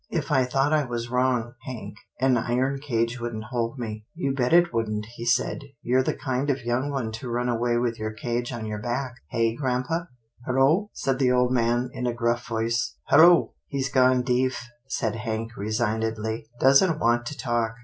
If I thought I was wrong, Hank, an iron cage wouldn't hold me." " You bet it wouldn't," he said, " you're the kind of young one to run away with your cage on your back — Hey, grampa ?"" Hello !" said the old man, in a gruff voice, " hello!" " He's gone deef," said Hank resignedly, " doesn't want to talk.